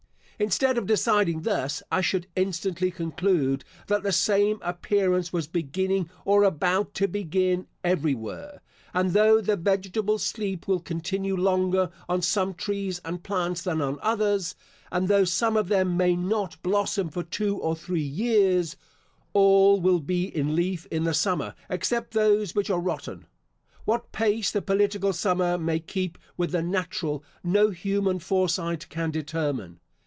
Instead of deciding thus, I should instantly conclude, that the same appearance was beginning, or about to begin, every where; and though the vegetable sleep will continue longer on some trees and plants than on others, and though some of them may not blossom for two or three years, all will be in leaf in the summer, except those which are rotten. What pace the political summer may keep with the natural, no human foresight can determine.